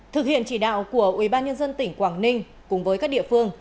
thực hiện chỉ đạo của ủy ban nhân dân tỉnh quảng ninh cùng với các địa phương